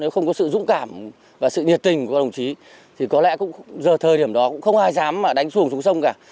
không có sự dũng cảm và sự nhiệt tình của đồng chí thì có lẽ thời điểm đó cũng không ai dám đánh xuồng xuống sông cả